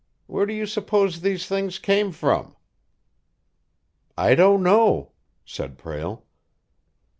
Where do you suppose these things came from?" "I don't know," said Prale.